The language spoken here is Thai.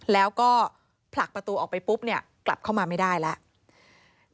แล้วก็ผลักประตูออกไปปุ๊บเนี่ยกลับเข้ามาไม่ได้แล้ว